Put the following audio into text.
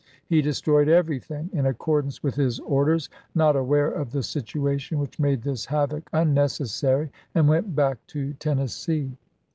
He destroyed everything, in ac cordance with his orders, not aware of the situation which made this havoc unnecessary, and went back to Tennessee.